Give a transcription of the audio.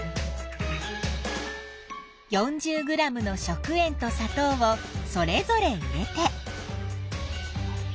４０ｇの食塩とさとうをそれぞれ入れて。